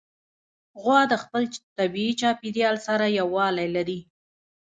غوا د خپل طبیعي چاپېریال سره یووالی لري.